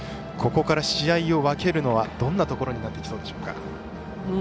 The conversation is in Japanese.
ここから試合を分けるのはどんなところになってきそうでしょうか。